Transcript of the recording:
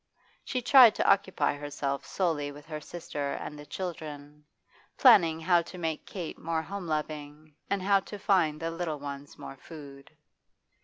She tried to occupy herself solely with her sister and the children, planning how to make Kate more home loving and how to find the little ones more food.